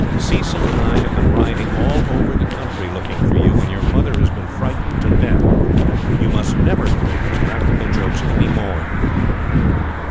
"Cecil and I have been riding all over the country looking for you, and your mother has been frightened to death. You must never play these practical jokes any more."